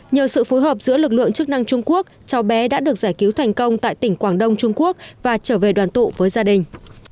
nhờ sự phối hợp giữa lực lượng chức năng trung quốc cháu bé đã được giải cứu thành công tại tỉnh quảng đông trung quốc và trở về đoàn tụ với gia đình